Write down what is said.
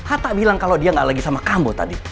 atta bilang kalau dia gak lagi sama kamu tadi